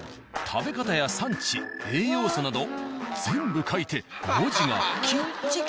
食べ方や産地栄養素など全部書いて面白いな。